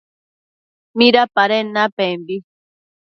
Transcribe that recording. ¿Midapaden napembi?